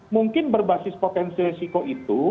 mungkin berbasis potensi risiko itu